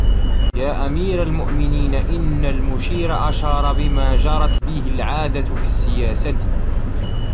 يَا أَمِيرَ الْمُؤْمِنِينَ إنَّ الْمُشِيرَ أَشَارَ بِمَا جَرَتْ بِهِ الْعَادَةُ فِي السِّيَاسَةِ